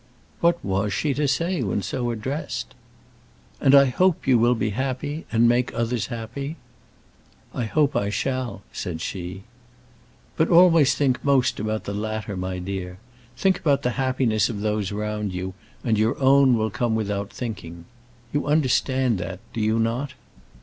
What was she to say when so addressed? "And I hope you will be happy, and make others happy." "I hope I shall," said she. "But always think most about the latter, my dear. Think about the happiness of those around you, and your own will come without thinking. You understand that; do you not?"